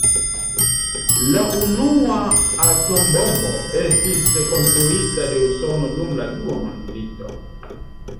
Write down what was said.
La unua atombombo estis konstruita de Usono dum la Dua mondmilito.